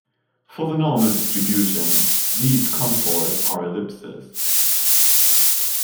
For the normal distribution, these contours are ellipses.